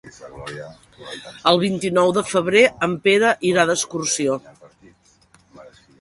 El vint-i-nou de febrer en Pere irà d'excursió.